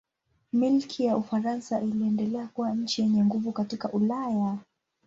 Milki ya Ufaransa iliendelea kuwa nchi yenye nguvu katika Ulaya.